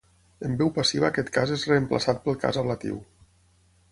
En veu passiva aquest cas és reemplaçat pel cas ablatiu.